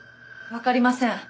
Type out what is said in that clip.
わかりません。